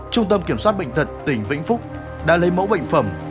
trung tâm kiểm soát bệnh tật tỉnh vĩnh phúc đã lấy mẫu bệnh phẩm